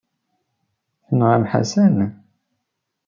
Tenɣam Ḥasan?